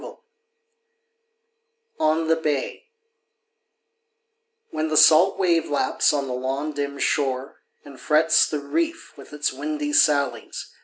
19 ON THE BAY When the salt wave laps on the long, dim shore, And frets the reef with its windy sallies, xA.